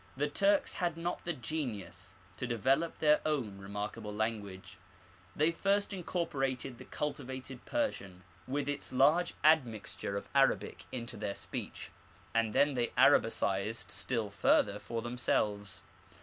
The Turks had not the genius to develope their own remarkable language: they first incorporated the cultivated Persian with its large admixture of Arabic into their speech, and then they Arabicized still further for themselves.